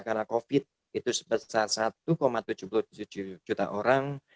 karena covid itu sebesar satu tujuh puluh tujuh juta orang